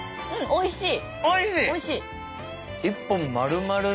おいしい。